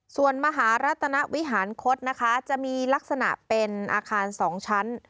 ส่วนมหารัตนวิหารคศนะคะจะมีลักษณะเป็นอาคาร๒ชั้น